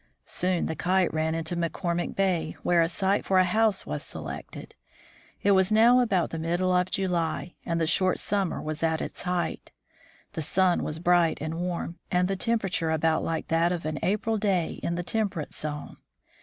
Soon the Kite ran into McCormick bay, where a site for a house was selected. It was now about the middle of July, and the short summer was at its height. The sun was bright and warm, and the temperature about like that of an April day in the temperate zone.